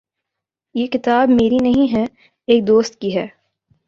یہ کتاب میری نہیں ہے۔ ایک دوست کی ہے